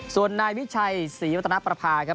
ส่วนนายวิชัยศรีวัตนประภาครับ